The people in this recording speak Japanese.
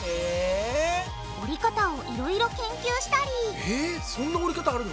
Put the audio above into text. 折り方をいろいろ研究したりえそんな折り方あるの？